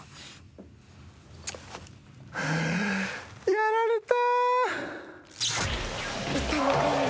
やられた。